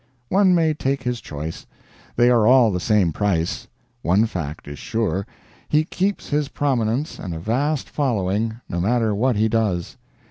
One may take his choice. They are all the same price. One fact is sure: he keeps his prominence and a vast following, no matter what he does.